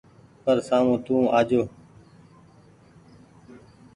پر سآمو تو آجو ۔